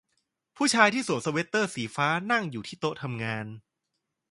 ผู้ชายที่สวมสเวทเตอร์สีฟ้านั่งอยู่ที่โต๊ะทำงาน